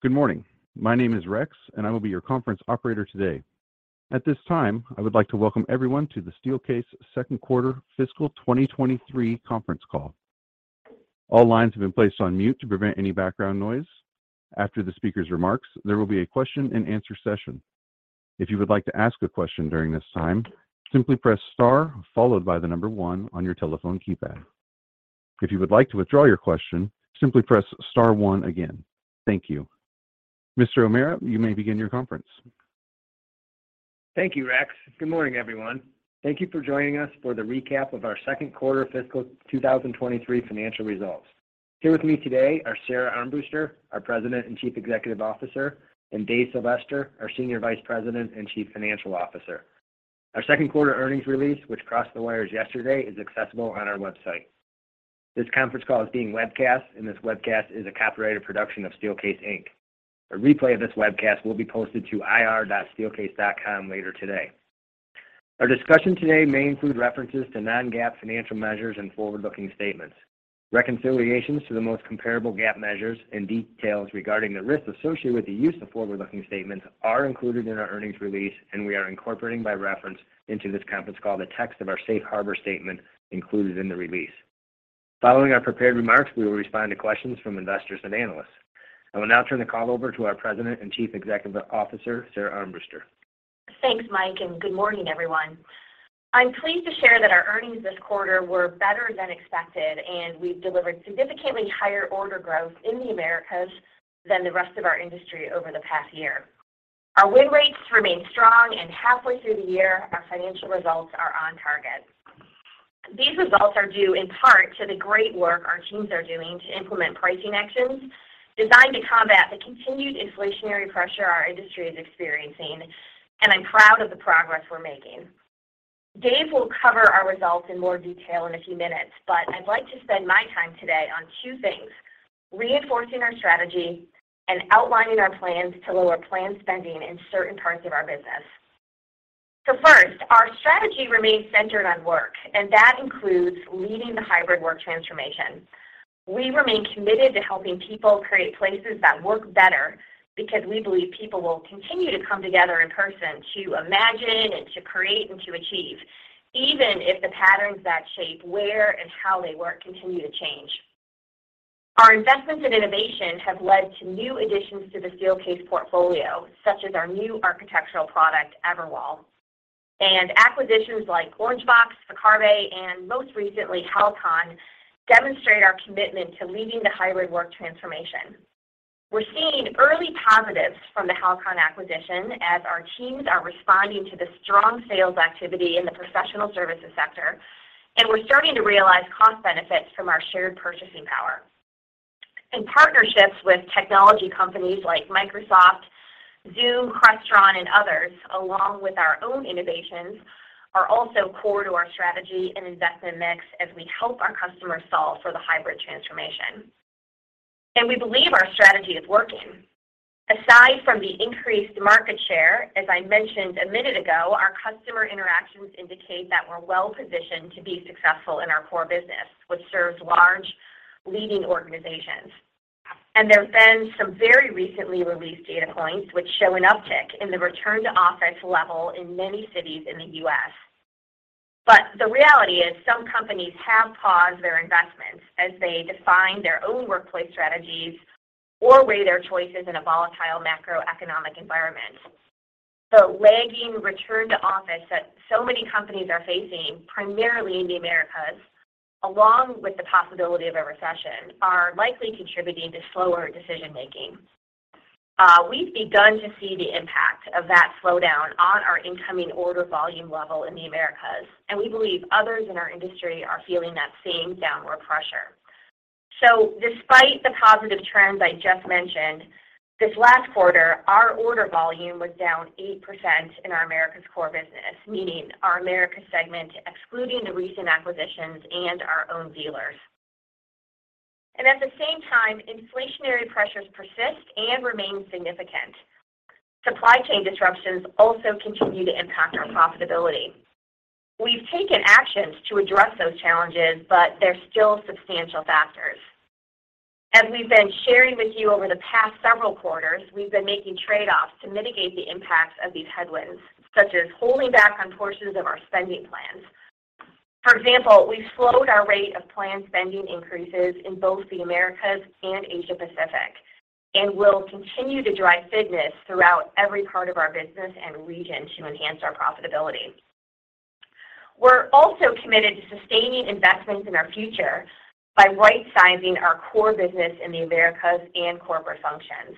Good morning. My name is Rex, and I will be your conference operator today. At this time, I would like to welcome everyone to the Steelcase second quarter fiscal 2023 conference call. All lines have been placed on mute to prevent any background noise. After the speaker's remarks, there will be a question-and-answer session. If you would like to ask a question during this time, simply press star followed by the number one on your telephone keypad. If you would like to withdraw your question, simply press star one again. Thank you. Mr. O'Meara, you may begin your conference. Thank you, Rex. Good morning, everyone. Thank you for joining us for the recap of our second quarter fiscal 2023 financial results. Here with me today are Sara Armbruster, our President and Chief Executive Officer, and Dave Sylvester, our Senior Vice President and Chief Financial Officer. Our second quarter earnings release, which crossed the wires yesterday, is accessible on our website. This conference call is being webcast, and this webcast is a copyrighted production of Steelcase Inc. A replay of this webcast will be posted to ir.steelcase.com later today. Our discussion today may include references to non-GAAP financial measures and forward-looking statements. Reconciliations to the most comparable GAAP measures and details regarding the risks associated with the use of forward-looking statements are included in our earnings release, and we are incorporating by reference into this conference call the text of our safe harbor statement included in the release. Following our prepared remarks, we will respond to questions from investors and analysts. I will now turn the call over to our President and Chief Executive Officer, Sara Armbruster. Thanks, Mike, and good morning, everyone. I'm pleased to share that our earnings this quarter were better than expected, and we've delivered significantly higher order growth in the Americas than the rest of our industry over the past year. Our win rates remain strong, and halfway through the year, our financial results are on target. These results are due in part to the great work our teams are doing to implement pricing actions designed to combat the continued inflationary pressure our industry is experiencing, and I'm proud of the progress we're making. Dave will cover our results in more detail in a few minutes, but I'd like to spend my time today on two things, reinforcing our strategy and outlining our plans to lower planned spending in certain parts of our business. First, our strategy remains centered on work, and that includes leading the hybrid work transformation. We remain committed to helping people create places that work better because we believe people will continue to come together in person to imagine and to create and to achieve, even if the patterns that shape where and how they work continue to change. Our investments in innovation have led to new additions to the Steelcase portfolio, such as our new architectural product, Everwall. Acquisitions like Orangebox, Viccarbe, and most recently, HALCON, demonstrate our commitment to leading the hybrid work transformation. We're seeing early positives from the HALCON acquisition as our teams are responding to the strong sales activity in the professional services sector, and we're starting to realize cost benefits from our shared purchasing power. Partnerships with technology companies like Microsoft, Zoom, Crestron, and others, along with our own innovations, are also core to our strategy and investment mix as we help our customers solve for the hybrid transformation. We believe our strategy is working. Aside from the increased market share, as I mentioned a minute ago, our customer interactions indicate that we're well-positioned to be successful in our core business, which serves large leading organizations. There have been some very recently released data points which show an uptick in the return-to-office level in many cities in the U.S. The reality is some companies have paused their investments as they define their own workplace strategies or weigh their choices in a volatile macroeconomic environment. The lagging return to office that so many companies are facing, primarily in the Americas, along with the possibility of a recession, are likely contributing to slower decision-making. We've begun to see the impact of that slowdown on our incoming order volume level in the Americas, and we believe others in our industry are feeling that same downward pressure. Despite the positive trends I just mentioned, this last quarter, our order volume was down 8% in our Americas core business, meaning our Americas segment, excluding the recent acquisitions and our own dealers. At the same time, inflationary pressures persist and remain significant. Supply chain disruptions also continue to impact our profitability. We've taken actions to address those challenges, but they're still substantial factors. As we've been sharing with you over the past several quarters, we've been making trade-offs to mitigate the impacts of these headwinds, such as holding back on portions of our spending plans. For example, we've slowed our rate of planned spending increases in both the Americas and Asia Pacific and will continue to drive fitness throughout every part of our business and region to enhance our profitability. We're also committed to sustaining investments in our future by right-sizing our core business in the Americas and corporate functions.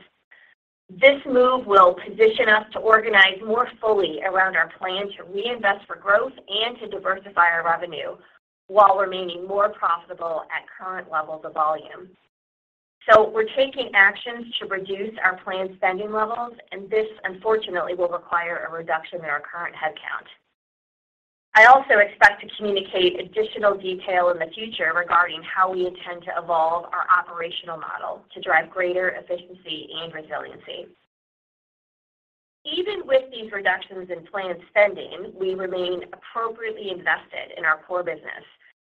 This move will position us to organize more fully around our plan to reinvest for growth and to diversify our revenue while remaining more profitable at current levels of volume. We're taking actions to reduce our planned spending levels, and this, unfortunately, will require a reduction in our current headcount. I also expect to communicate additional detail in the future regarding how we intend to evolve our operational model to drive greater efficiency and resiliency. Even with these reductions in planned spending, we remain appropriately invested in our core business,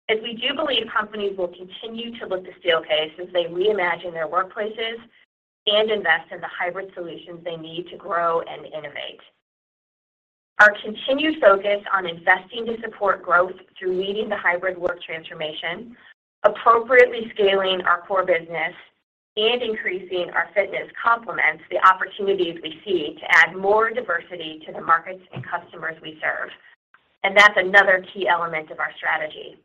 as we do believe companies will continue to look to Steelcase as they reimagine their workplaces and invest in the hybrid solutions they need to grow and innovate. Our continued focus on investing to support growth through leading the hybrid work transformation, appropriately scaling our core business, and increasing our fitness complements the opportunities we see to add more diversity to the markets and customers we serve. That's another key element of our strategy.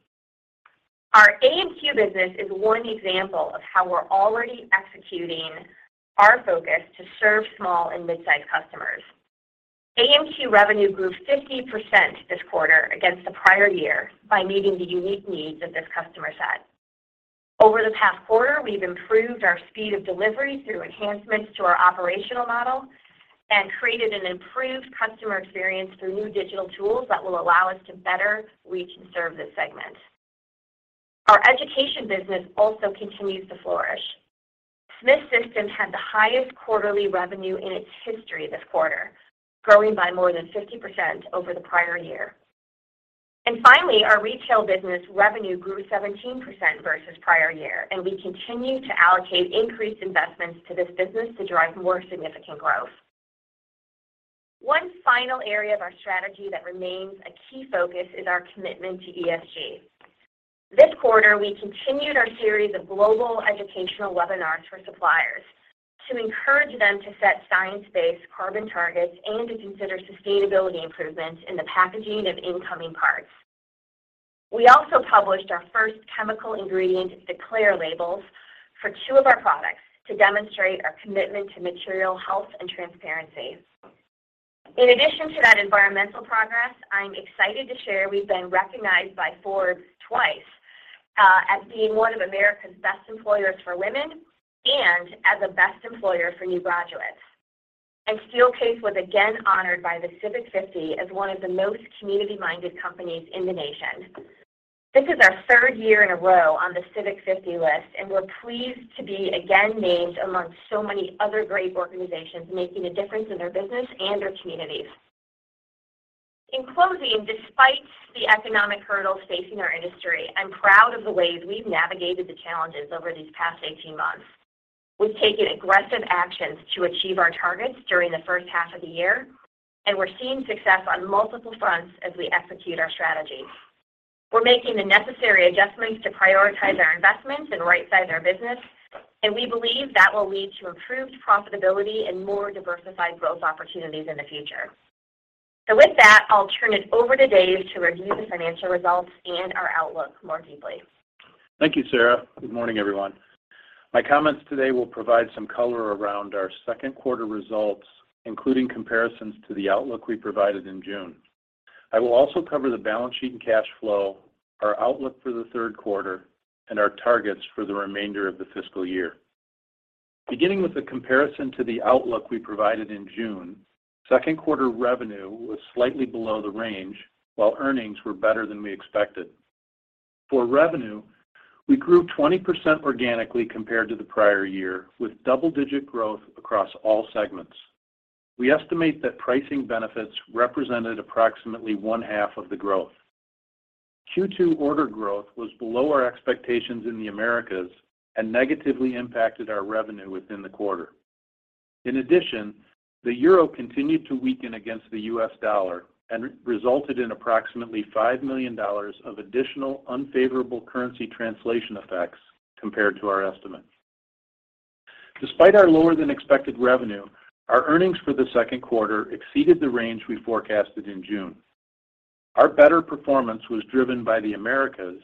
Our AMQ business is one example of how we're already executing our focus to serve small and mid-sized customers. AMQ revenue grew 50% this quarter against the prior year by meeting the unique needs of this customer set. Over the past quarter, we've improved our speed of delivery through enhancements to our operational model and created an improved customer experience through new digital tools that will allow us to better reach and serve this segment. Our education business also continues to flourish. Smith System had the highest quarterly revenue in its history this quarter, growing by more than 50% over the prior year. Finally, our retail business revenue grew 17% versus prior year, and we continue to allocate increased investments to this business to drive more significant growth. One final area of our strategy that remains a key focus is our commitment to ESG. This quarter, we continued our series of global educational webinars for suppliers to encourage them to set science-based carbon targets and to consider sustainability improvements in the packaging of incoming parts. We also published our first chemical ingredient declare labels for two of our products to demonstrate our commitment to material health and transparency. In addition to that environmental progress, I'm excited to share we've been recognized by Forbes twice, as being one of America's best employers for women and as a best employer for new graduates. Steelcase was again honored by the Civic Fifty as one of the most community-minded companies in the nation. This is our third year in a row on the Civic Fifty list, and we're pleased to be again named amongst so many other great organizations making a difference in their business and their communities. In closing, despite the economic hurdles facing our industry, I'm proud of the ways we've navigated the challenges over these past 18 months. We've taken aggressive actions to achieve our targets during the first half of the year, and we're seeing success on multiple fronts as we execute our strategy. We're making the necessary adjustments to prioritize our investments and right-size our business, and we believe that will lead to improved profitability and more diversified growth opportunities in the future. With that, I'll turn it over to Dave to review the financial results and our outlook more deeply. Thank you, Sara. Good morning, everyone. My comments today will provide some color around our second quarter results, including comparisons to the outlook we provided in June. I will also cover the balance sheet and cash flow, our outlook for the third quarter, and our targets for the remainder of the fiscal year. Beginning with the comparison to the outlook we provided in June, second quarter revenue was slightly below the range, while earnings were better than we expected. For revenue, we grew 20% organically compared to the prior year, with double-digit growth across all segments. We estimate that pricing benefits represented approximately one-half of the growth. Q2 order growth was below our expectations in the Americas and negatively impacted our revenue within the quarter. In addition, the euro continued to weaken against the U.S. dollar and resulted in approximately $5 million of additional unfavorable currency translation effects compared to our estimate. Despite our lower-than-expected revenue, our earnings for the second quarter exceeded the range we forecasted in June. Our better performance was driven by the Americas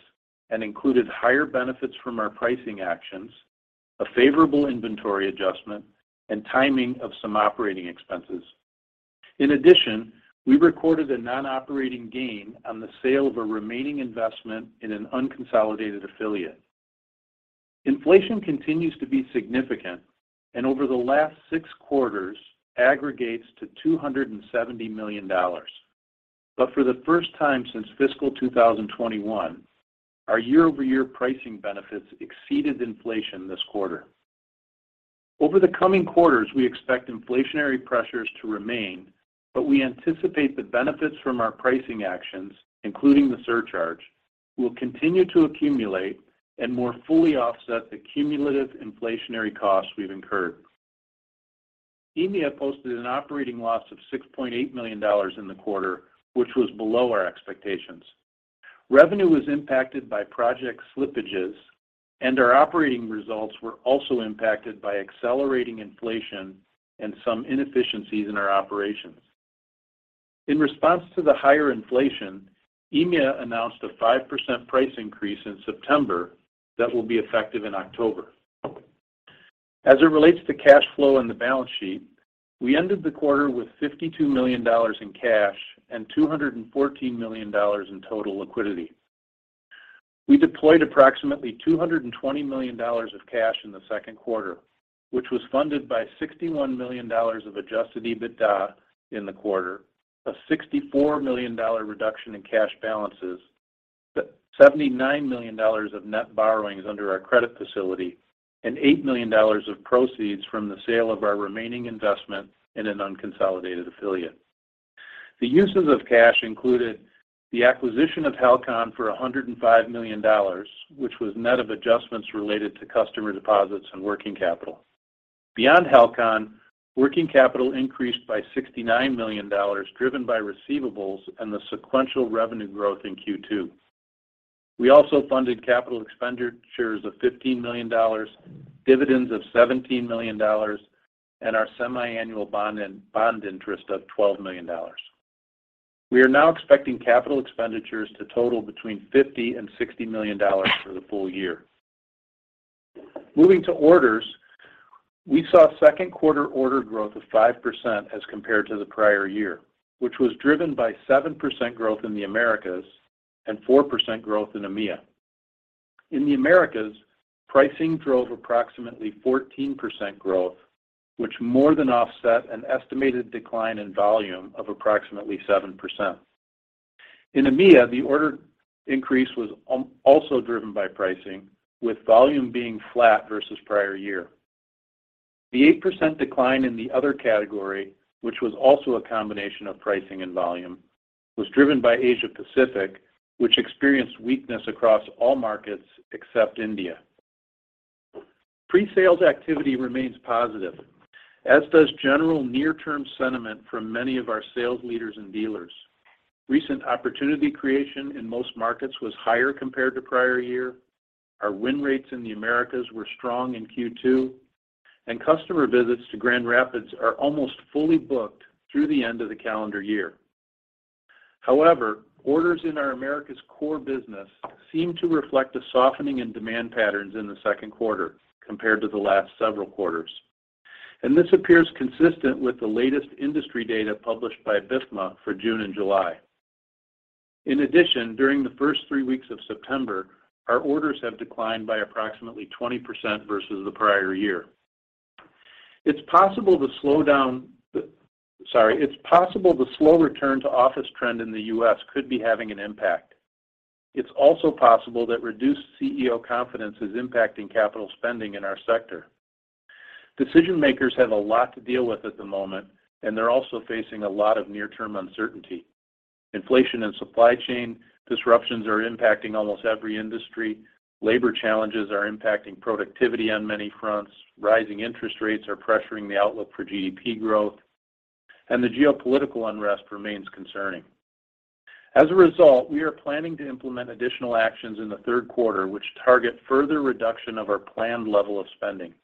and included higher benefits from our pricing actions, a favorable inventory adjustment, and timing of some operating expenses. In addition, we recorded a non-operating gain on the sale of a remaining investment in an unconsolidated affiliate. Inflation continues to be significant and over the last six quarters aggregates to $270 million. For the first time since fiscal 2021, our year-over-year pricing benefits exceeded inflation this quarter. Over the coming quarters, we expect inflationary pressures to remain, but we anticipate the benefits from our pricing actions, including the surcharge, will continue to accumulate and more fully offset the cumulative inflationary costs we've incurred. EMEA posted an operating loss of $6.8 million in the quarter, which was below our expectations. Revenue was impacted by project slippages, and our operating results were also impacted by accelerating inflation and some inefficiencies in our operations. In response to the higher inflation, EMEA announced a 5% price increase in September that will be effective in October. As it relates to cash flow on the balance sheet, we ended the quarter with $52 million in cash and $214 million in total liquidity. We deployed approximately $220 million of cash in the second quarter, which was funded by $61 million of adjusted EBITDA in the quarter, a $64 million reduction in cash balances, $79 million of net borrowings under our credit facility, and $8 million of proceeds from the sale of our remaining investment in an unconsolidated affiliate. The uses of cash included the acquisition of HALCON for $105 million, which was net of adjustments related to customer deposits and working capital. Beyond HALCON, working capital increased by $69 million, driven by receivables and the sequential revenue growth in Q2. We also funded capital expenditures of $15 million, dividends of $17 million, and our semi-annual bond interest of $12 million. We are now expecting capital expenditures to total between $50 million and $60 million for the full year. Moving to orders, we saw second quarter order growth of 5% as compared to the prior year, which was driven by 7% growth in the Americas and 4% growth in EMEA. In the Americas, pricing drove approximately 14% growth, which more than offset an estimated decline in volume of approximately 7%. In EMEA, the order increase was also driven by pricing, with volume being flat versus prior year. The 8% decline in the other category, which was also a combination of pricing and volume, was driven by Asia-Pacific, which experienced weakness across all markets except India. Presales activity remains positive, as does general near-term sentiment from many of our sales leaders and dealers. Recent opportunity creation in most markets was higher compared to prior year. Our win rates in the Americas were strong in Q2, and customer visits to Grand Rapids are almost fully booked through the end of the calendar year. However, orders in our Americas core business seem to reflect a softening in demand patterns in the second quarter compared to the last several quarters. This appears consistent with the latest industry data published by BIFMA for June and July. In addition, during the first three weeks of September, our orders have declined by approximately 20% versus the prior year. It's possible the slow return to office trend in the U.S. could be having an impact. It's also possible that reduced CEO confidence is impacting capital spending in our sector. Decision-makers have a lot to deal with at the moment, and they're also facing a lot of near-term uncertainty. Inflation and supply chain disruptions are impacting almost every industry. Labor challenges are impacting productivity on many fronts. Rising interest rates are pressuring the outlook for GDP growth, and the geopolitical unrest remains concerning. As a result, we are planning to implement additional actions in the third quarter, which target further reduction of our planned level of spending.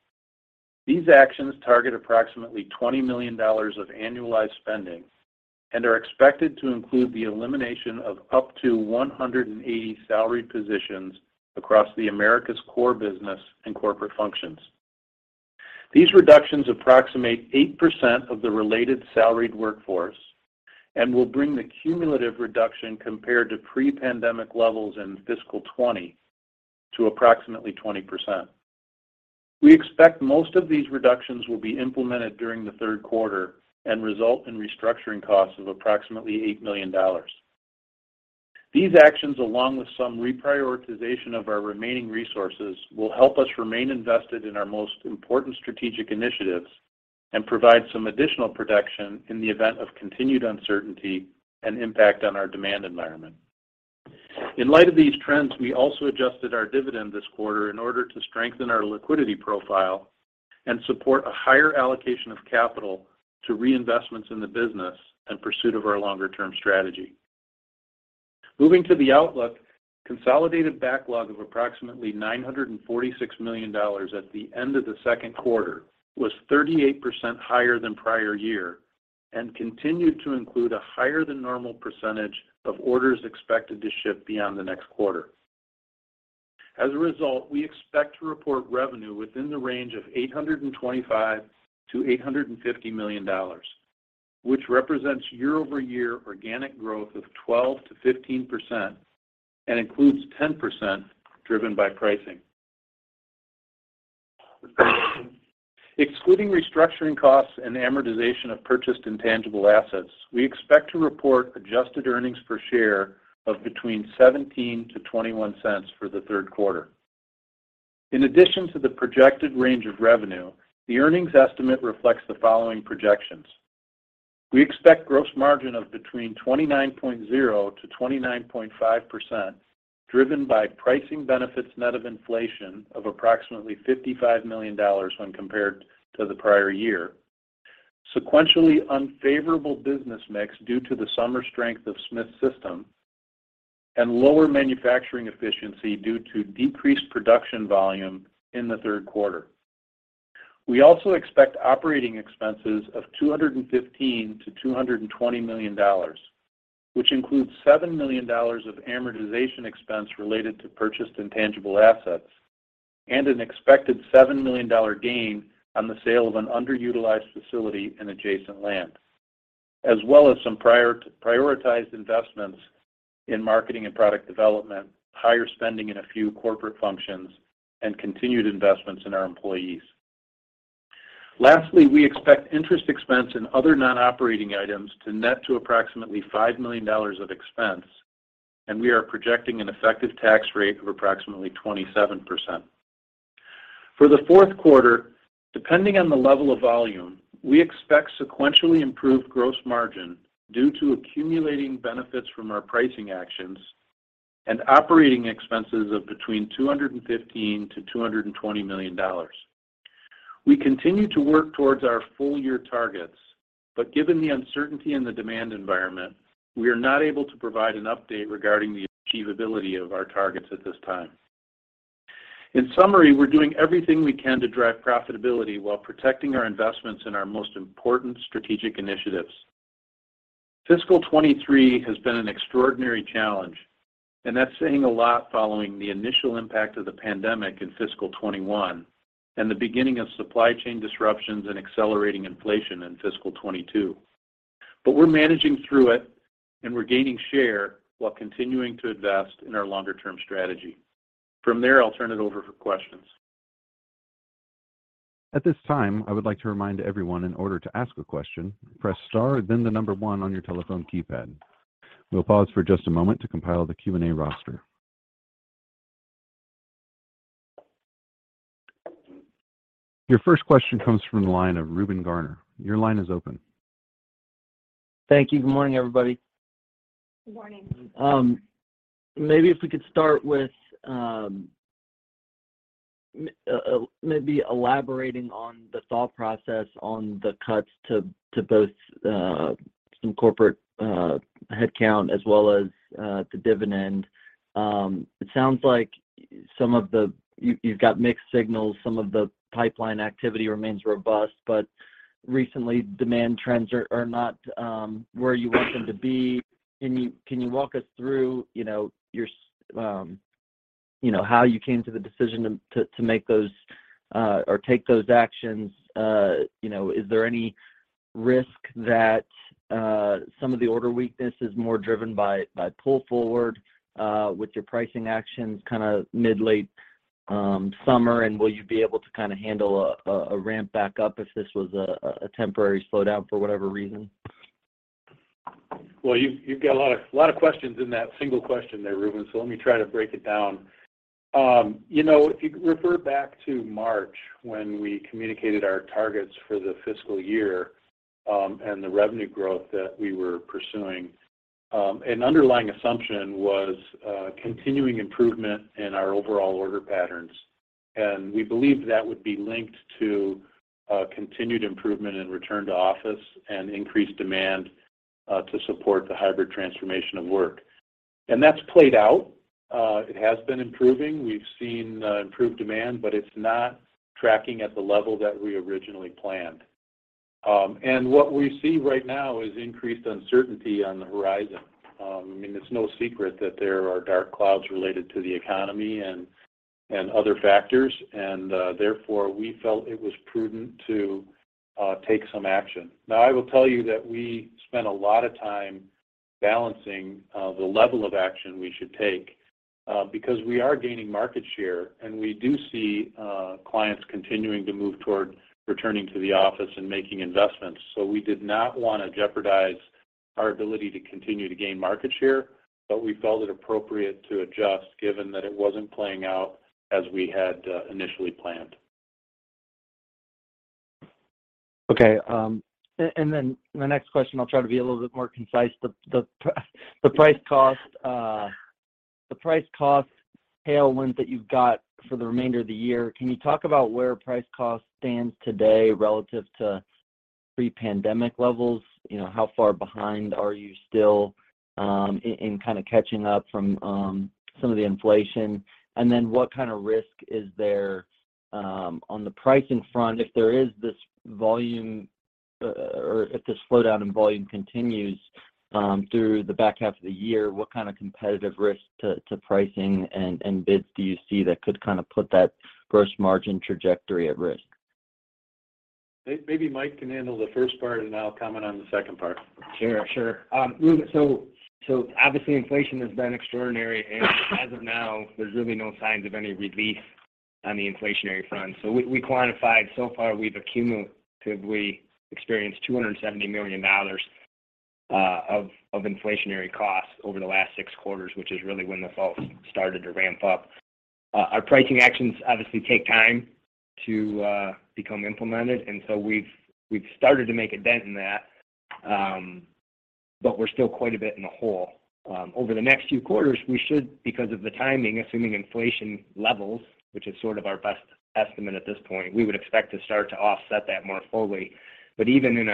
These actions target approximately $20 million of annualized spending and are expected to include the elimination of up to 180 salaried positions across the Americas core business and corporate functions. These reductions approximate 8% of the related salaried workforce and will bring the cumulative reduction compared to pre-pandemic levels in fiscal 2020 to approximately 20%. We expect most of these reductions will be implemented during the third quarter and result in restructuring costs of approximately $8 million. These actions, along with some reprioritization of our remaining resources, will help us remain invested in our most important strategic initiatives and provide some additional protection in the event of continued uncertainty and impact on our demand environment. In light of these trends, we also adjusted our dividend this quarter in order to strengthen our liquidity profile and support a higher allocation of capital to reinvestments in the business in pursuit of our longer-term strategy. Moving to the outlook, consolidated backlog of approximately $946 million at the end of the second quarter was 38% higher than prior year and continued to include a higher than normal percentage of orders expected to ship beyond the next quarter. As a result, we expect to report revenue within the range of $825 million-$850 million, which represents year-over-year organic growth of 12%-15% and includes 10% driven by pricing. Excluding restructuring costs and amortization of purchased intangible assets, we expect to report adjusted earnings per share of $0.17-$0.21 for the third quarter. In addition to the projected range of revenue, the earnings estimate reflects the following projections. We expect gross margin of 29.0%-29.5%, driven by pricing benefits net of inflation of approximately $55 million when compared to the prior year. Sequentially unfavorable business mix due to the summer strength of Smith System and lower manufacturing efficiency due to decreased production volume in the third quarter. We also expect operating expenses of $215-$220 million, which includes $7 million of amortization expense related to purchased intangible assets and an expected $7 million gain on the sale of an underutilized facility in adjacent lands, as well as some prioritized investments in marketing and product development, higher spending in a few corporate functions, and continued investments in our employees. Lastly, we expect interest expense and other non-operating items to net to approximately $5 million of expense, and we are projecting an effective tax rate of approximately 27%. For the fourth quarter, depending on the level of volume, we expect sequentially improved gross margin due to accumulating benefits from our pricing actions and operating expenses of between $215-$220 million. We continue to work towards our full-year targets, but given the uncertainty in the demand environment, we are not able to provide an update regarding the achievability of our targets at this time. In summary, we're doing everything we can to drive profitability while protecting our investments in our most important strategic initiatives. Fiscal 2023 has been an extraordinary challenge, and that's saying a lot following the initial impact of the pandemic in fiscal 2021 and the beginning of supply chain disruptions and accelerating inflation in fiscal 2022. We're managing through it, and we're gaining share while continuing to invest in our longer-term strategy. From there, I'll turn it over for questions. At this time, I would like to remind everyone in order to ask a question, press star and then the number one on your telephone keypad. We'll pause for just a moment to compile the Q&A roster. Your first question comes from the line of Reuben Garner. Your line is open. Thank you. Good morning, everybody. Good morning. Maybe elaborating on the thought process on the cuts to both some corporate headcount as well as the dividend. It sounds like you've got mixed signals. Some of the pipeline activity remains robust, but recently demand trends are not where you want them to be. Can you walk us through, you know, you know, how you came to the decision to make those or take those actions? You know, is there any risk that some of the order weakness is more driven by pull forward with your pricing actions kinda mid, late summer? Will you be able to kinda handle a ramp back up if this was a temporary slowdown for whatever reason? Well, you've got a lot of questions in that single question there, Reuben, so let me try to break it down. You know, if you refer back to March when we communicated our targets for the fiscal year, and the revenue growth that we were pursuing, an underlying assumption was continuing improvement in our overall order patterns. We believed that would be linked to continued improvement in return to office and increased demand to support the hybrid transformation of work. That's played out. It has been improving. We've seen improved demand, but it's not tracking at the level that we originally planned. What we see right now is increased uncertainty on the horizon. I mean, it's no secret that there are dark clouds related to the economy and other factors, and therefore, we felt it was prudent to take some action. Now, I will tell you that we spent a lot of time balancing the level of action we should take because we are gaining market share, and we do see clients continuing to move toward returning to the office and making investments. We did not wanna jeopardize our ability to continue to gain market share, but we felt it appropriate to adjust given that it wasn't playing out as we had initially planned. Okay. And then the next question, I'll try to be a little bit more concise. The price cost tailwinds that you've got for the remainder of the year, can you talk about where price cost stands today relative to pre-pandemic levels? You know, how far behind are you still in kinda catching up from some of the inflation? And then what kind of risk is there on the pricing front if there is this volume or if this slowdown in volume continues through the back half of the year, what kind of competitive risk to pricing and bids do you see that could kinda put that gross margin trajectory at risk? Maybe Mike O'Meara can handle the first part, and I'll comment on the second part. Sure. Reuben, obviously inflation has been extraordinary, and as of now, there's really no signs of any relief on the inflationary front. We quantified so far we've accumulatively experienced $270 million of inflationary costs over the last six quarters, which is really when it all started to ramp up. Our pricing actions obviously take time to become implemented, and we've started to make a dent in that, but we're still quite a bit in the hole. Over the next few quarters, we should, because of the timing, assuming inflation levels, which is sort of our best estimate at this point, we would expect to start to offset that more fully. Even in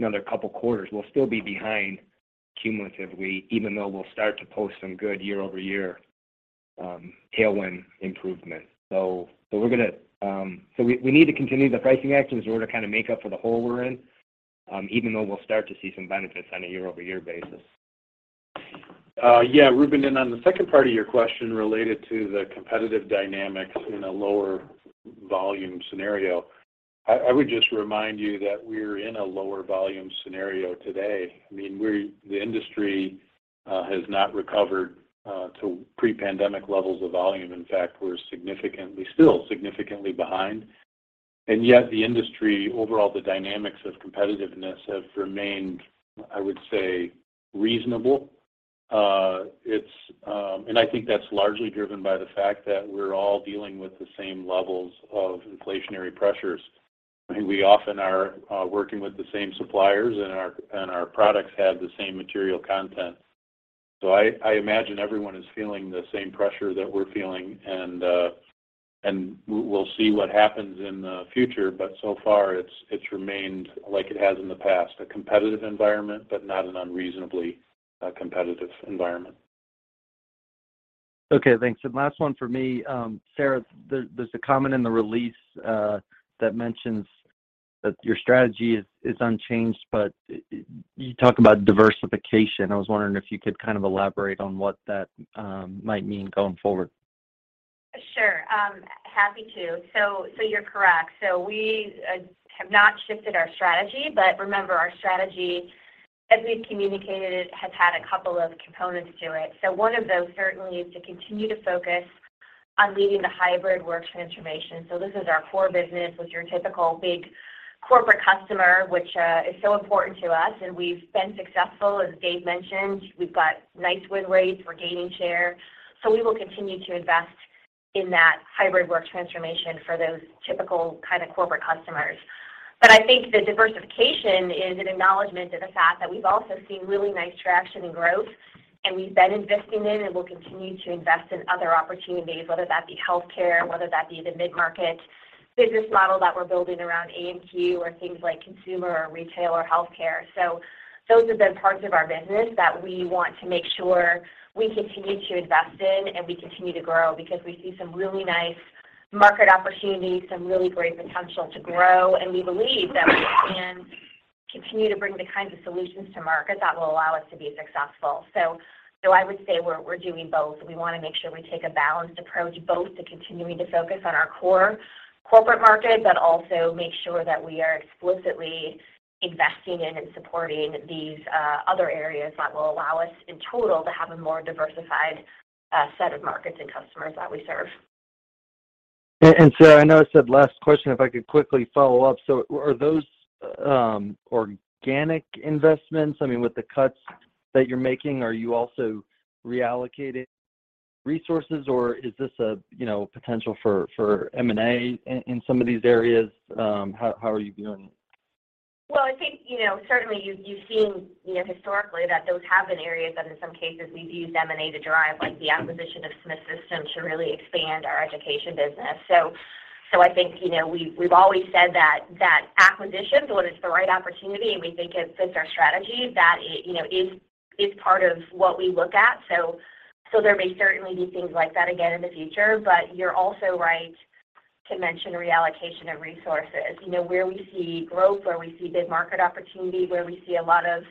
another couple quarters, we'll still be behind cumulatively, even though we'll start to post some good year-over-year tailwind improvement. We need to continue the pricing actions in order to kinda make up for the hole we're in, even though we'll start to see some benefits on a year-over-year basis. Reuben, on the second part of your question related to the competitive dynamics in a lower volume scenario, I would just remind you that we're in a lower volume scenario today. I mean, the industry has not recovered to pre-pandemic levels of volume. In fact, we're still significantly behind. Yet the industry overall, the dynamics of competitiveness have remained, I would say, reasonable. I think that's largely driven by the fact that we're all dealing with the same levels of inflationary pressures. I think we often are working with the same suppliers, and our products have the same material content. I imagine everyone is feeling the same pressure that we're feeling, and we'll see what happens in the future. So far it's remained like it has in the past, a competitive environment, but not an unreasonably competitive environment. Okay. Thanks. Last one for me. Sara, there's a comment in the release that mentions that your strategy is unchanged, but you talk about diversification. I was wondering if you could kind of elaborate on what that might mean going forward. Sure. I'm happy to. You're correct. We have not shifted our strategy, but remember, our strategy, as we've communicated it, has had a couple of components to it. One of those certainly is to continue to focus on leading the hybrid work transformation. This is our core business with your typical big corporate customer, which is so important to us, and we've been successful. As Dave mentioned, we've got nice win rates. We're gaining share. We will continue to invest in that hybrid work transformation for those typical kind of corporate customers. I think the diversification is an acknowledgment of the fact that we've also seen really nice traction and growth, and we've been investing in and will continue to invest in other opportunities, whether that be healthcare, whether that be the mid-market business model that we're building around AMQ or things like consumer or retail or healthcare. Those have been parts of our business that we want to make sure we continue to invest in, and we continue to grow because we see some really nice market opportunities, some really great potential to grow, and we believe that we can continue to bring the kinds of solutions to market that will allow us to be successful. I would say we're doing both. We wanna make sure we take a balanced approach, both to continuing to focus on our core corporate market, but also make sure that we are explicitly investing in and supporting these other areas that will allow us in total to have a more diversified set of markets and customers that we serve. Sara, I know I said last question. If I could quickly follow up. Are those organic investments? I mean, with the cuts that you're making, are you also reallocating resources, or is this a, you know, potential for M&A in some of these areas? How are you viewing it? Well, I think, you know, certainly you've seen, you know, historically that those have been areas that in some cases we've used M&A to drive, like the acquisition of Smith System to really expand our education business. I think, you know, we've always said that acquisitions, when it's the right opportunity, and we think it fits our strategy, that it, you know, is part of what we look at. There may certainly be things like that again in the future. You're also right to mention reallocation of resources. You know, where we see growth, where we see big market opportunity, where we see a lot of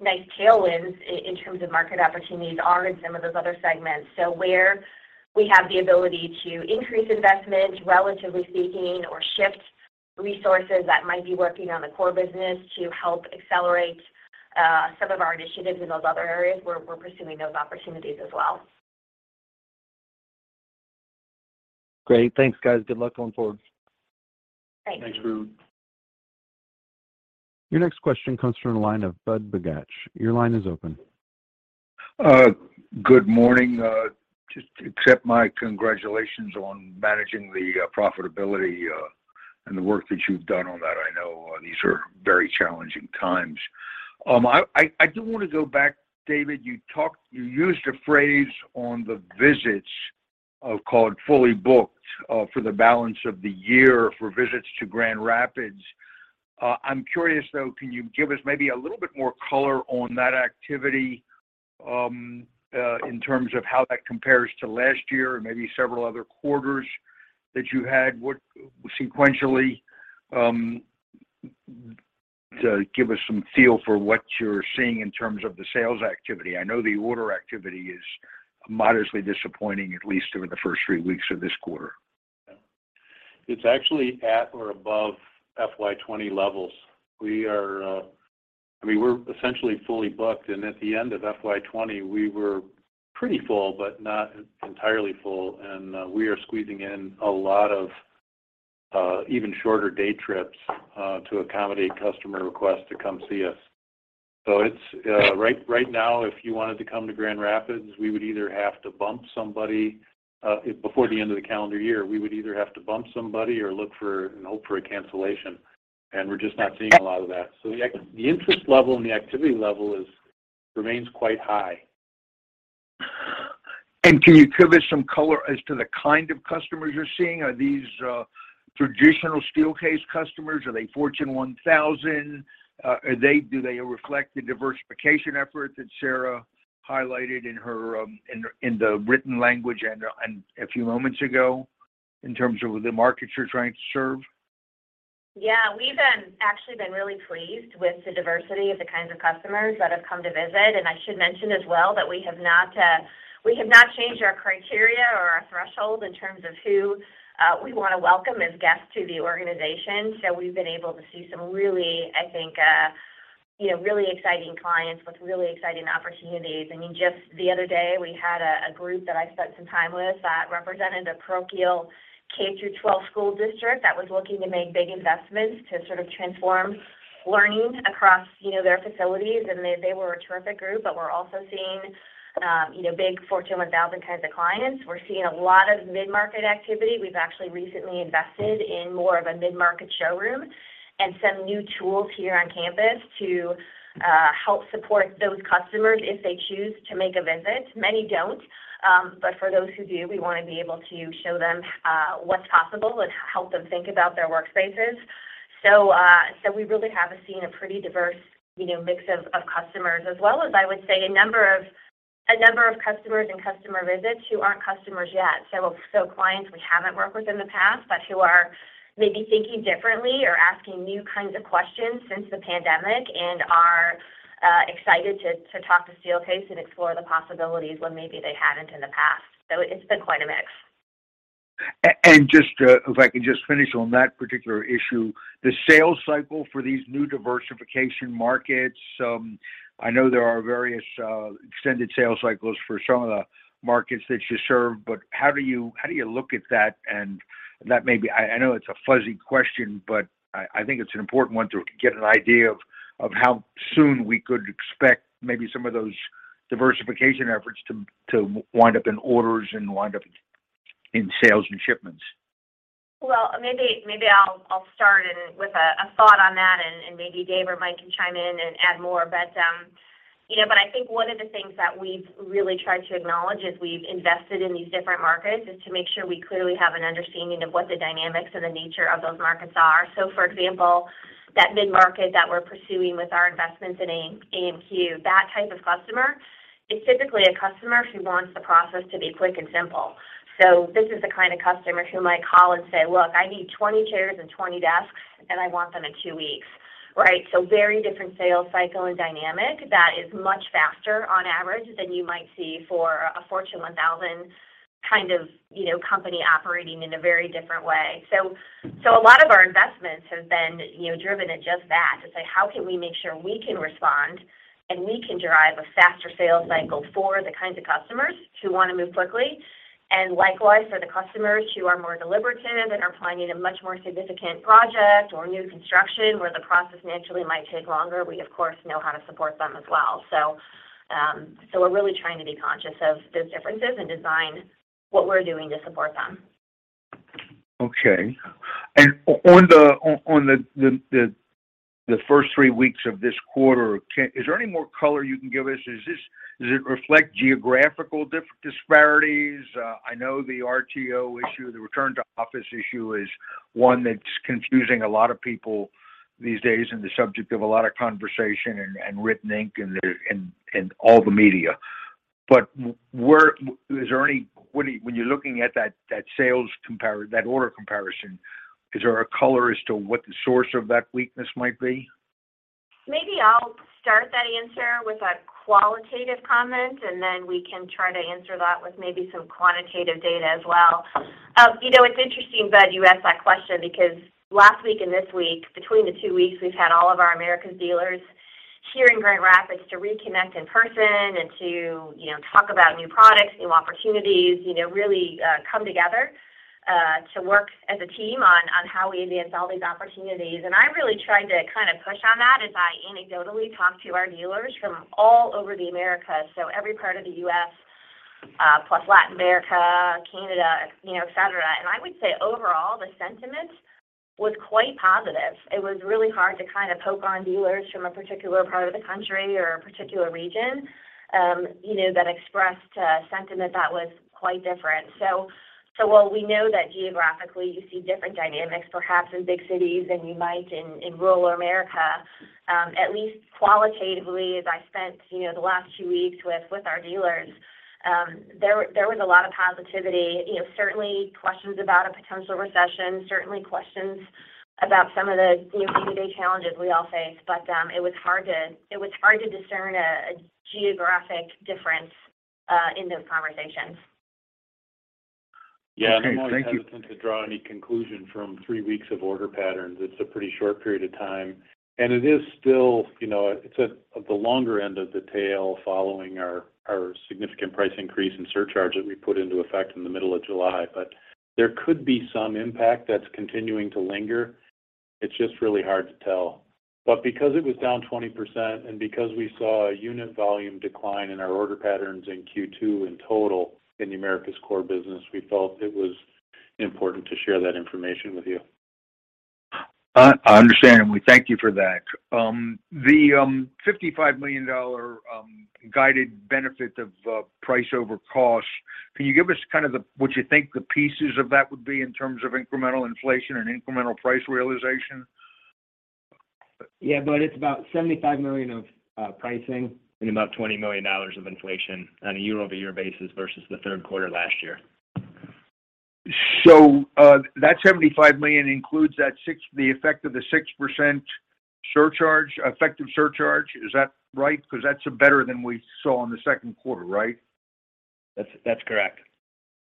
nice tailwinds in terms of market opportunities are in some of those other segments. Where we have the ability to increase investment, relatively speaking, or shift resources that might be working on the core business to help accelerate some of our initiatives in those other areas, we're pursuing those opportunities as well. Great. Thanks, guys. Good luck going forward. Thanks. Thanks, Drew. Your next question comes from the line of Budd Bugatch. Your line is open. Good morning. Just accept my congratulations on managing the profitability and the work that you've done on that. I know these are very challenging times. I do wanna go back, Dave. You used a phrase on the visits called fully booked for the balance of the year for visits to Grand Rapids. I'm curious, though, can you give us maybe a little bit more color on that activity in terms of how that compares to last year and maybe several other quarters that you had? Sequentially to give us some feel for what you're seeing in terms of the sales activity. I know the order activity is modestly disappointing, at least over the first three weeks of this quarter. It's actually at or above FY 20 levels. We are, I mean, we're essentially fully booked, and at the end of FY 20 we were pretty full, but not entirely full. We are squeezing in a lot of even shorter day trips to accommodate customer requests to come see us. It's right now if you wanted to come to Grand Rapids, we would either have to bump somebody before the end of the calendar year or look for and hope for a cancellation, and we're just not seeing a lot of that. The interest level and the activity level remains quite high. Can you give us some color as to the kind of customers you're seeing? Are these traditional Steelcase customers? Are they Fortune One Thousand? Do they reflect the diversification efforts that Sara highlighted in her written language a few moments ago in terms of the markets you're trying to serve? Yeah. We've actually been really pleased with the diversity of the kinds of customers that have come to visit. I should mention as well that we have not changed our criteria or our threshold in terms of who we wanna welcome as guests to the organization. We've been able to see some really, I think, you know, really exciting clients with really exciting opportunities. I mean, just the other day we had a group that I spent some time with that represented a parochial K through twelve school district that was looking to make big investments to sort of transform learning across, you know, their facilities. They were a terrific group. We're also seeing, you know, big Fortune One Thousand kinds of clients. We're seeing a lot of mid-market activity. We've actually recently invested in more of a mid-market showroom and some new tools here on campus to help support those customers if they choose to make a visit. Many don't, but for those who do, we wanna be able to show them what's possible and help them think about their workspaces. We really have seen a pretty diverse, you know, mix of customers as well as I would say a number of customers and customer visits who aren't customers yet. Clients we haven't worked with in the past, but who are maybe thinking differently or asking new kinds of questions since the pandemic and are excited to talk to Steelcase and explore the possibilities when maybe they hadn't in the past. It's been quite a mix. If I could just finish on that particular issue, the sales cycle for these new diversification markets, I know there are various, extended sales cycles for some of the markets that you serve, but how do you look at that? That may be. I know it's a fuzzy question, but I think it's an important one to get an idea of how soon we could expect maybe some of those diversification efforts to wind up in orders and wind up in sales and shipments. Well, maybe I'll start with a thought on that and maybe Dave or Mike can chime in and add more. You know, I think one of the things that we've really tried to acknowledge as we've invested in these different markets is to make sure we clearly have an understanding of what the dynamics and the nature of those markets are. For example, that mid-market that we're pursuing with our investments in AMQ, that type of customer is typically a customer who wants the process to be quick and simple. This is the kind of customer who might call and say, "Look, I need 20 chairs and 20 desks, and I want them in two weeks." Right? Very different sales cycle and dynamic that is much faster on average than you might see for a Fortune One Thousand kind of, you know, company operating in a very different way. A lot of our investments have been, you know, driven at just that, to say, how can we make sure we can respond and we can derive a faster sales cycle for the kinds of customers who wanna move quickly. Likewise, for the customers who are more deliberative and are planning a much more significant project or new construction where the process naturally might take longer, we of course know how to support them as well. We're really trying to be conscious of those differences and design what we're doing to support them. Okay. On the first three weeks of this quarter, is there any more color you can give us? Is this? Does it reflect geographical disparities? I know the RTO issue, the return to office issue, is one that's confusing a lot of people these days and the subject of a lot of conversation and written ink in all the media. Where was there any? When you're looking at that order comparison, is there a color as to what the source of that weakness might be? Maybe I'll start that answer with a qualitative comment, and then we can try to answer that with maybe some quantitative data as well. You know, it's interesting, Bud, you ask that question because last week and this week, between the two weeks, we've had all of our Americas dealers here in Grand Rapids to reconnect in person and to, you know, talk about new products, new opportunities, you know, really, come together, to work as a team on how we advance all these opportunities. I really tried to kind of push on that as I anecdotally talked to our dealers from all over the Americas, so every part of the U.S., plus Latin America, Canada, you know, et cetera. I would say overall the sentiment was quite positive. It was really hard to kind of poke on dealers from a particular part of the country or a particular region, you know, that expressed a sentiment that was quite different. While we know that geographically you see different dynamics perhaps in big cities than you might in rural America, at least qualitatively as I spent, you know, the last two weeks with our dealers, there was a lot of positivity. You know, certainly questions about a potential recession, certainly questions about some of the, you know, day-to-day challenges we all face. It was hard to discern a geographic difference in those conversations. Okay. Thank you. Yeah. I'm always hesitant to draw any conclusion from three weeks of order patterns. It's a pretty short period of time, and it is still, you know, it's at the longer end of the tail following our significant price increase and surcharge that we put into effect in the middle of July. There could be some impact that's continuing to linger. It's just really hard to tell. Because it was down 20% and because we saw a unit volume decline in our order patterns in Q2 in total in the Americas core business, we felt it was important to share that information with you. I understand, and we thank you for that. The $55 million guided benefit of price over cost, can you give us kind of what you think the pieces of that would be in terms of incremental inflation and incremental price realization? Yeah, Bud. It's about $75 million of pricing and about $20 million of inflation on a year-over-year basis versus the third quarter last year. That $75 million includes the effect of the 6% surcharge, is that right? 'Cause that's better than we saw in the second quarter, right? That's correct.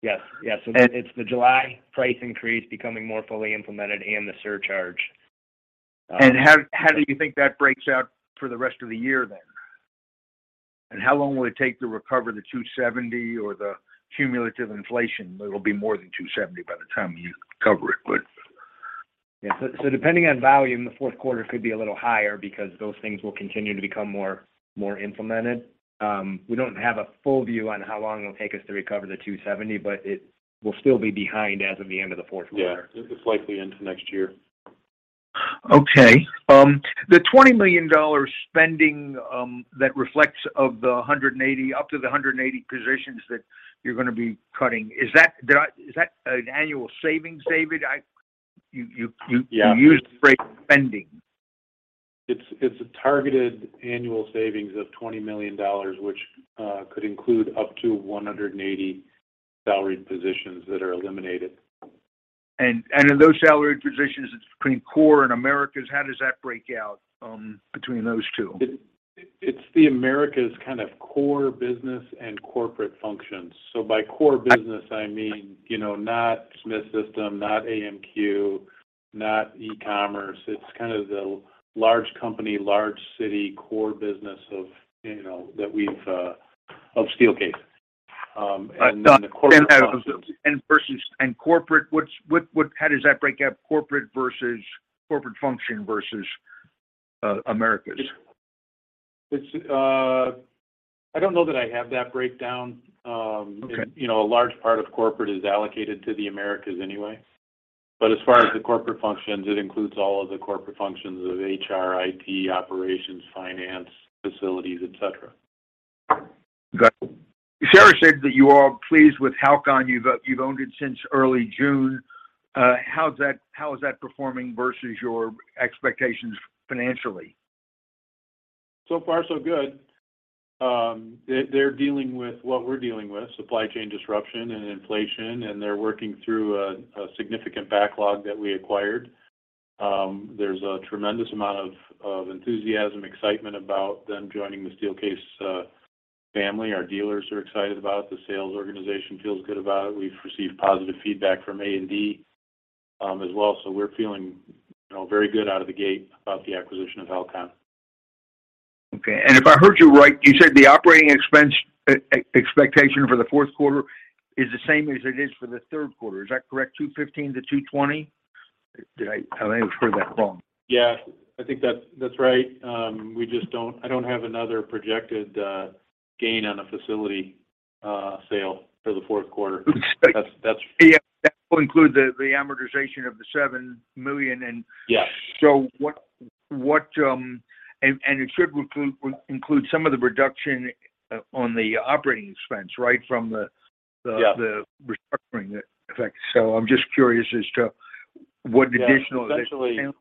Yes. Yes. And- It's the July price increase becoming more fully implemented and the surcharge. How do you think that breaks out for the rest of the year then? How long will it take to recover the $270 or the cumulative inflation? It'll be more than $270 by the time you cover it, but. Yeah. Depending on volume, the fourth quarter could be a little higher because those things will continue to become more implemented. We don't have a full view on how long it'll take us to recover the $270, but it will still be behind as of the end of the fourth quarter. Yeah. It's likely into next year. Okay. The $20 million spending that reflects of up to the 180 positions that you're gonna be cutting, is that an annual savings, Dave? Yeah. You used the phrase spending. It's a targeted annual savings of $20 million, which could include up to 180 salaried positions that are eliminated. In those salaried positions, it's between core and Americas. How does that break out between those two? It's the Americas kind of core business and corporate functions. By core business I mean, you know, not Smith System, not AMQ, not e-commerce. It's kind of the large company, large city core business of Steelcase, you know, and the corporate functions. How does that break out? Corporate versus corporate function versus Americas? I don't know that I have that breakdown. Okay. You know, a large part of corporate is allocated to the Americas anyway. As far as the corporate functions, it includes all of the corporate functions of HR, IT, operations, finance, facilities, et cetera. Got it. Sara said that you are pleased with HALCON. You've owned it since early June. How is that performing versus your expectations financially? So far so good. They're dealing with what we're dealing with, supply chain disruption and inflation, and they're working through a significant backlog that we acquired. There's a tremendous amount of enthusiasm, excitement about them joining the Steelcase family. Our dealers are excited about it. The sales organization feels good about it. We've received positive feedback from A&D as well. We're feeling, you know, very good out of the gate about the acquisition of HALCON. Okay. If I heard you right, you said the operating expense expectation for the fourth quarter is the same as it is for the third quarter. Is that correct? $215-$220? Did I? I may have heard that wrong. Yeah. I think that's right. I don't have another projected gain on a facility sale for the fourth quarter. Okay. That's. Yeah. That will include the amortization of the $7 million and- Yes. What it should include some of the reduction on the operating expense, right? From the. Yeah the restructuring effect. I'm just curious as to what additional- Yeah. Essentially. Additional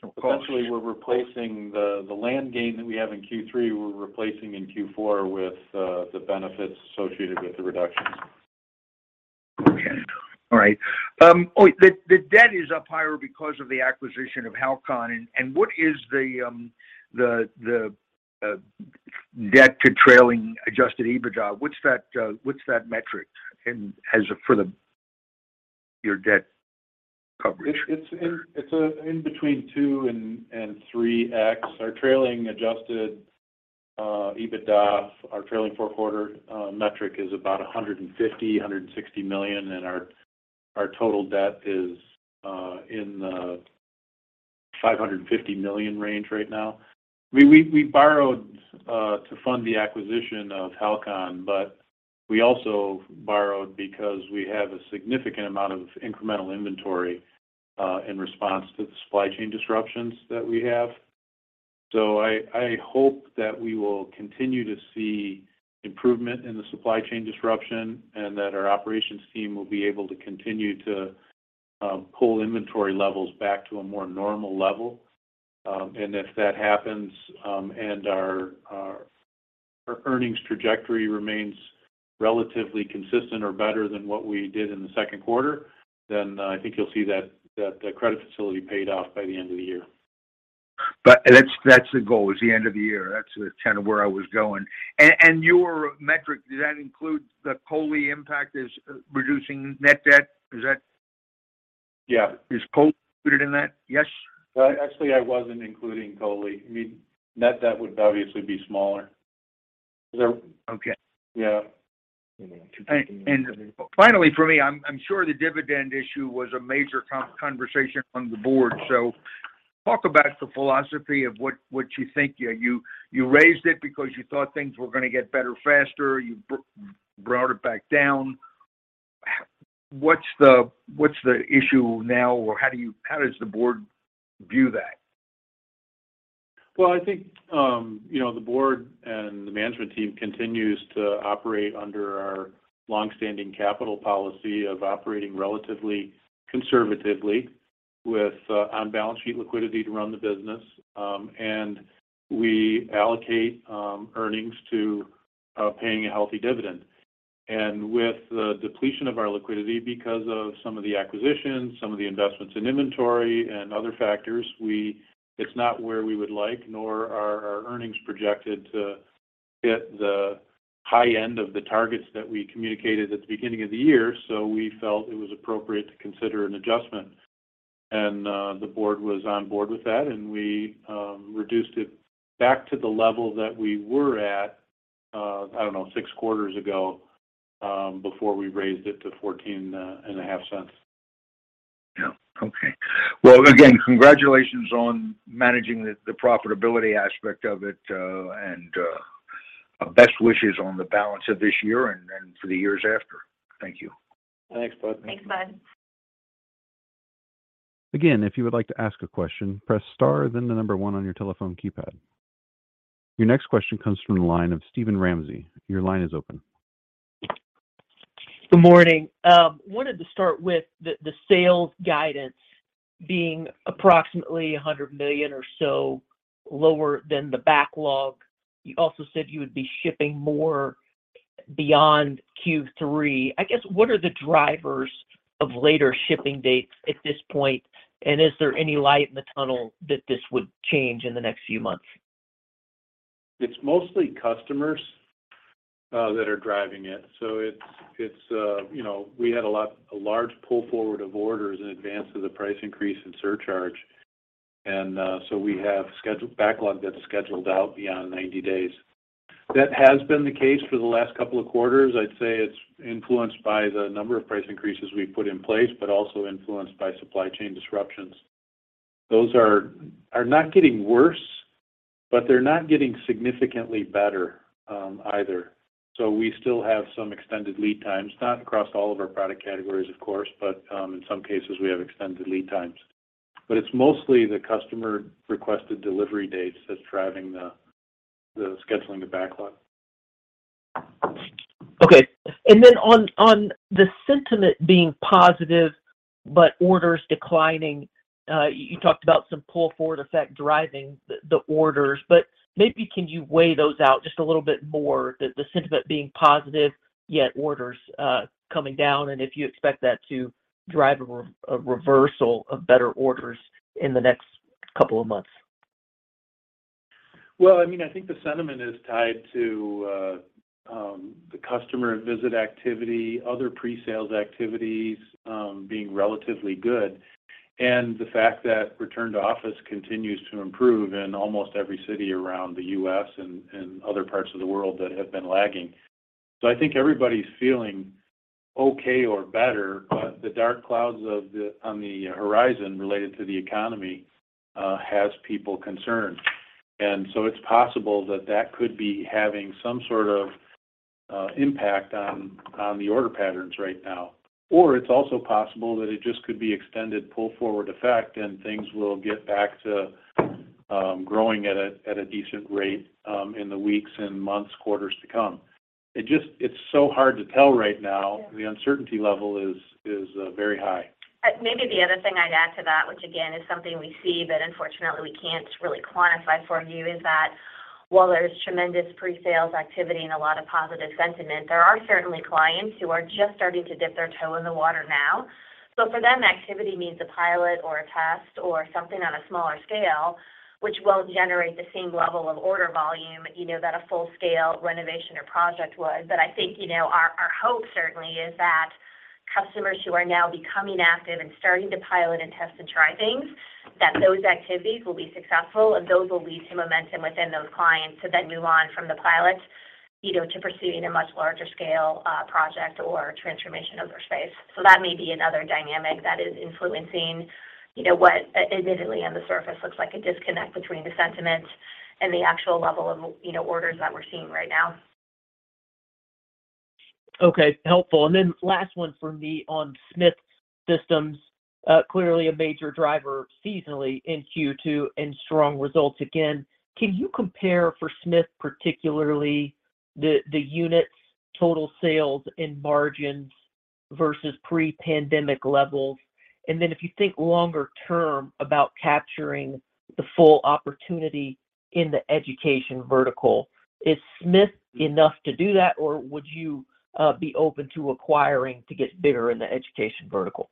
costs. Essentially, we're replacing the land gain that we have in Q3, we're replacing in Q4 with the benefits associated with the reductions. Okay. All right. The debt is up higher because of the acquisition of HALCON. What is the debt to trailing adjusted EBITDA? What's that metric and as of for your debt coverage? It's in between 2x and 3x. Our trailing adjusted EBITDA, our trailing four-quarter metric, is about $150-$160 million. Our total debt is in the $550 million range right now. I mean, we borrowed to fund the acquisition of HALCON, but we also borrowed because we have a significant amount of incremental inventory in response to the supply chain disruptions that we have. I hope that we will continue to see improvement in the supply chain disruption and that our operations team will be able to continue to pull inventory levels back to a more normal level. If that happens, and our earnings trajectory remains relatively consistent or better than what we did in the second quarter, then I think you'll see that credit facility paid off by the end of the year. That's the goal, is the end of the year. That's kind of where I was going. Your metric, does that include the COLI impact is reducing net debt? Is that- Yeah. Is Koli included in that? Yes. Well, actually, I wasn't including Koli. I mean, net debt would obviously be smaller. Okay. Yeah. You know, continuing. Finally for me, I'm sure the dividend issue was a major conversation on the board. Talk about the philosophy of what you think. You raised it because you thought things were gonna get better faster, you brought it back down. What's the issue now? Or how does the board view that? Well, I think, you know, the board and the management team continues to operate under our long-standing capital policy of operating relatively conservatively with on-balance sheet liquidity to run the business. We allocate earnings to paying a healthy dividend. With the depletion of our liquidity, because of some of the acquisitions, some of the investments in inventory and other factors, It's not where we would like, nor are our earnings projected to hit the high end of the targets that we communicated at the beginning of the year, so we felt it was appropriate to consider an adjustment. The board was on board with that, and we reduced it back to the level that we were at, I don't know, six quarters ago, before we raised it to $0.145. Yeah. Okay. Well, again, congratulations on managing the profitability aspect of it, and best wishes on the balance of this year and then for the years after. Thank you. Thanks, Bud. Thanks, Bud. Again, if you would like to ask a question, press star then the number one on your telephone keypad. Your next question comes from the line of Steven Ramsey. Your line is open. Good morning. Wanted to start with the sales guidance being approximately $100 million or so lower than the backlog. You also said you would be shipping more beyond Q3. I guess what are the drivers of later shipping dates at this point? And is there any light in the tunnel that this would change in the next few months? It's mostly customers that are driving it. It's we had a large pull-forward of orders in advance of the price increase and surcharge. We have backlog that's scheduled out beyond 90 days. That has been the case for the last couple of quarters. I'd say it's influenced by the number of price increases we've put in place, but also influenced by supply chain disruptions. Those are not getting worse, but they're not getting significantly better, either. We still have some extended lead times, not across all of our product categories, of course, but in some cases, we have extended lead times. It's mostly the customer-requested delivery dates that's driving the scheduling of backlog. Okay. Then on the sentiment being positive but orders declining, you talked about some pull-forward effect driving the orders. Maybe can you weigh those out just a little bit more, the sentiment being positive, yet orders coming down, and if you expect that to drive a reversal of better orders in the next couple of months? Well, I mean, I think the sentiment is tied to the customer visit activity, other pre-sales activities being relatively good, and the fact that return to office continues to improve in almost every city around the US and other parts of the world that have been lagging. I think everybody's feeling okay or better, but the dark clouds on the horizon related to the economy has people concerned. It's possible that that could be having some sort of impact on the order patterns right now. Or it's also possible that it just could be extended pull-forward effect, and things will get back to growing at a decent rate in the weeks and months, quarters to come. It's so hard to tell right now. The uncertainty level is very high. Maybe the other thing I'd add to that, which again is something we see but unfortunately we can't really quantify for you, is that while there's tremendous pre-sales activity and a lot of positive sentiment, there are certainly clients who are just starting to dip their toe in the water now. For them, activity means a pilot or a test or something on a smaller scale, which won't generate the same level of order volume, you know, that a full-scale renovation or project would. I think, you know, our hope certainly is that customers who are now becoming active and starting to pilot and test and try things, that those activities will be successful, and those will lead to momentum within those clients to then move on from the pilot, you know, to pursuing a much larger scale, project or transformation of their space. That may be another dynamic that is influencing, you know, what admittedly on the surface looks like a disconnect between the sentiment and the actual level of, you know, orders that we're seeing right now. Okay. Helpful. Last one for me on Smith System. Clearly a major driver seasonally in Q2 and strong results again. Can you compare for Smith, particularly the units total sales and margins versus pre-pandemic levels? If you think longer term about capturing the full opportunity in the education vertical, is Smith enough to do that, or would you be open to acquiring to get bigger in the education vertical?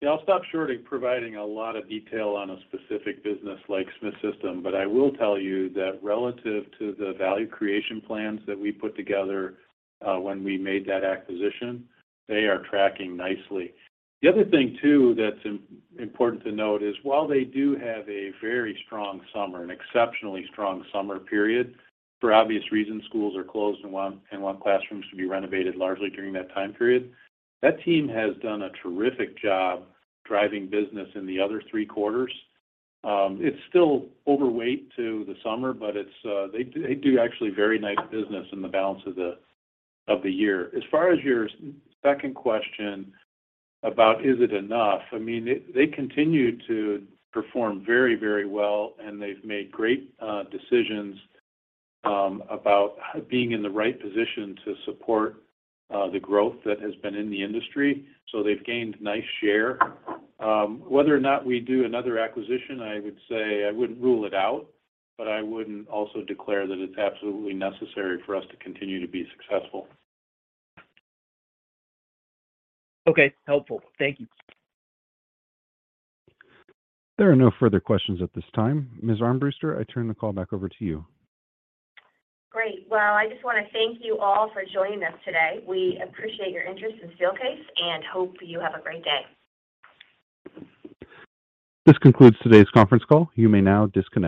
Yeah, I'll stop short of providing a lot of detail on a specific business like Smith System, but I will tell you that relative to the value creation plans that we put together when we made that acquisition, they are tracking nicely. The other thing, too, that's important to note is while they do have a very strong summer, an exceptionally strong summer period, for obvious reasons, schools are closed and want classrooms to be renovated largely during that time period. That team has done a terrific job driving business in the other three quarters. It's still overweight to the summer, but they do actually very nice business in the balance of the year. As far as your second question about is it enough, I mean, they continue to perform very, very well, and they've made great decisions about being in the right position to support the growth that has been in the industry. They've gained nice share. Whether or not we do another acquisition, I would say I wouldn't rule it out, but I wouldn't also declare that it's absolutely necessary for us to continue to be successful. Okay. Helpful. Thank you. There are no further questions at this time. Ms. Armbruster, I turn the call back over to you. Great. Well, I just wanna thank you all for joining us today. We appreciate your interest in Steelcase and hope you have a great day. This concludes today's conference call. You may now disconnect.